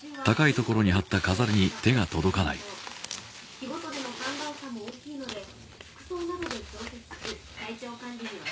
「日ごとでの寒暖差も大きいので服装などで調節し体調管理には十分」